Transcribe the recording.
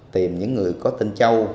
tìm những người có tên châu